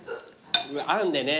あんでね。